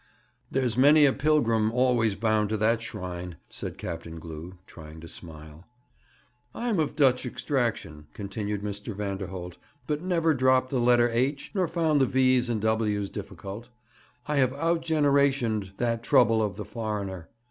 'There's many a pilgrim always bound to that shrine,' said Captain Glew, trying to smile. 'I am of Dutch extraction,' continued Mr. Vanderholt; 'but never dropped the letter H, nor found the V's and W's difficult. I have out generationed that trouble of the foreigner.